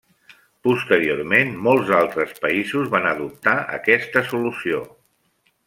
Posteriorment molts altres països van adoptar aquesta solució.